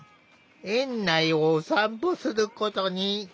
園内をお散歩することに。